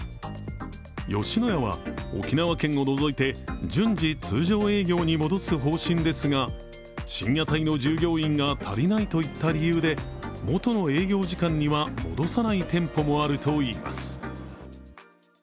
吉野家は、沖縄県を除いて順次、通常営業に戻す方針ですが深夜帯の従業員が足りないといった理由でもとの営業時間には戻さない店舗もあるといいます。